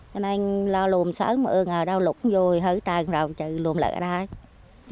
cho nên lo lồn sớm ưa ngờ đau lụt vô thì hơi tràn rồi trừ lồn lại ở đây